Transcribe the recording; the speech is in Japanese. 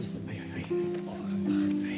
はい！